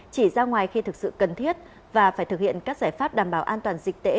chỉ ra ngoài khi thực sự cần thiết và phải thực hiện các giải pháp đảm bảo an toàn dịch tễ